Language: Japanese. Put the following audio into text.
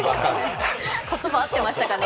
言葉、合ってましたかね。